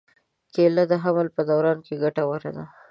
کېله د حمل په دوران کې ګټوره ده.